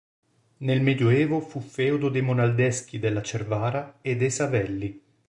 Nel Medioevo fu feudo dei Monaldeschi della Cervara e dei Savelli.